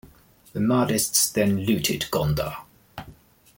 The Mahdists then looted Gondar.